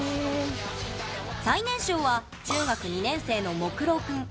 最年少は中学２年生のモクロー君。